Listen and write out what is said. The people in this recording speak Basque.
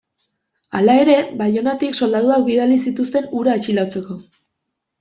Hala ere, Baionatik soldaduak bidali zituzten hura atxilotzeko.